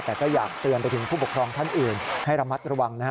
แต่ก็อยากเตือนไปถึงผู้ปกครองท่านอื่นให้ระมัดระวังนะฮะ